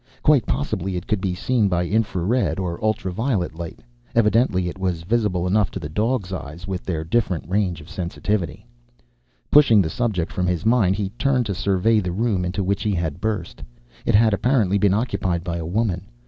Quite possibly it could be seen by infra red or ultra violet light evidently it was visible enough to the dog's eyes, with their different range of sensitivity. Pushing the subject from his mind, he turned to survey the room into which he had burst. It had apparently been occupied by a woman.